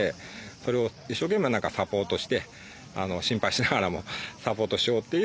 それを一生懸命サポートして心配しながらもサポートしようっていう。